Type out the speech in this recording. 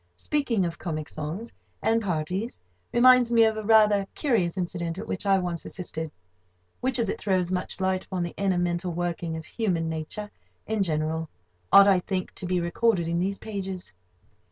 Speaking of comic songs and parties, reminds me of a rather curious incident at which I once assisted; which, as it throws much light upon the inner mental working of human nature in general, ought, I think, to be recorded in these pages.